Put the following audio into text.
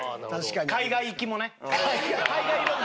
「海外行き」もね。